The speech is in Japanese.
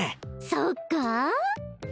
そっか？